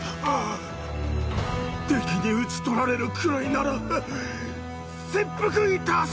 敵に討ち取られるくらいなら切腹いたす！